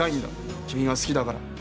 君が好きだから。